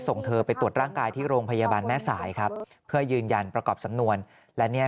ส่งเธอไปตรวจร่างกายที่โรงพยาบาลแม่สายครับเพื่อยืนยันประกอบสำนวนและเนี่ย